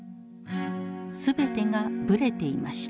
全てがぶれていました。